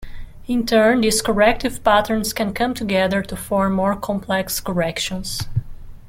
In turn these corrective patterns can come together to form more complex corrections.